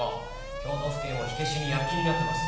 京都府警も火消しに躍起になってます。